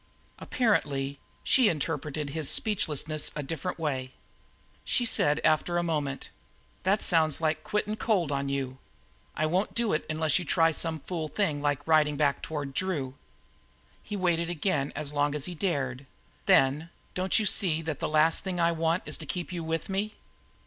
Apparently she interpreted his speechlessness in a different way. She said after a moment: "That sounds like quittin' cold on you. I won't do it unless you try some fool thing like riding back toward Drew." He waited again as long as he dared, then: "Don't you see that the last thing I want is to keep you with me?"